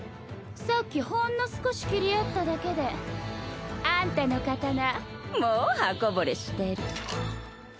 さっきほんの少し斬り合っただけであんたの刀もう刃こぼれしてる。